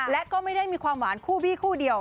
และก็ไม่ได้มีความหวานคู่บี้คู่เดียว